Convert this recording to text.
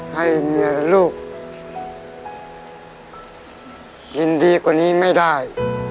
ให้เมียและลูกยินดีกว่านี้ไม่ได้